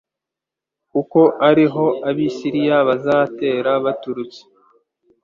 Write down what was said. kuko ari ho abasiriya bazatera baturutse